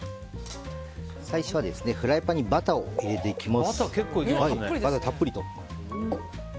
最初はフライパンにバターを入れて行きます。